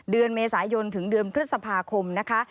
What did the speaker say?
เดือนเมษายนถึงเดือนพฤษภาคมนะคะ